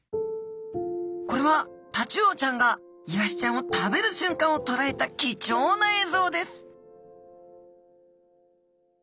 これはタチウオちゃんがイワシちゃんを食べるしゅんかんをとらえた貴重な映像です